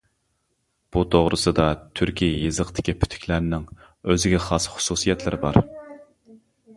بۇ توغرىسىدا تۈركىي يېزىقتىكى پۈتۈكلەرنىڭ ئۆزىگە خاس خۇسۇسىيەتلىرى بار.